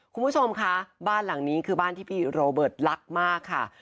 คุณผู้ชมคะบ้านหลังนี้คือบ้านที่พี่โรเบิร์ตรักมากค่ะ